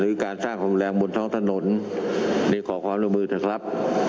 การสร้างความแรงบนท้องถนนนี่ขอความร่วมมือเถอะครับ